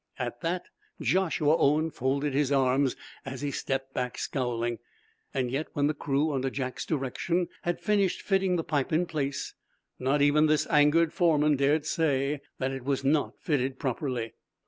At that, Joshua Owen folded his arms as he stepped back scowling. Yet when the crew, under Jack's direction, had finished fitting the pipe in place, not even this angered foreman dared say that it was not fitted properly.